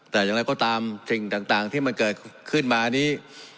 แต่อย่างไรก็ตามสิ่งต่างที่มันเกิดขึ้นมานี้